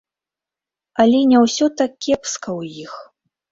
Але не ўсё так кепска ў іх.